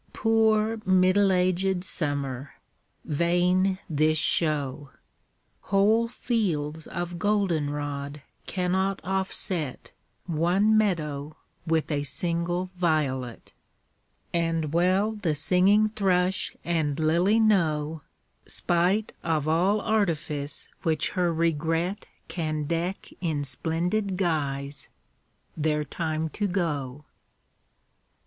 Poor middle agèd summer! Vain this show! Whole fields of golden rod cannot offset One meadow with a single violet; And well the singing thrush and lily know, Spite of all artifice which her regret Can deck in splendid guise, their time to go!